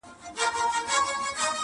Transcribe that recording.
د ساحل روڼو اوبو کي-